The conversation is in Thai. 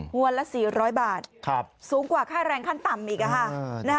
วันละ๔๐๐บาทสูงกว่าค่าแรงขั้นต่ำอีกค่ะ